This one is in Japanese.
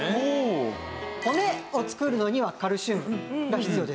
骨を作るのにはカルシウムが必要です。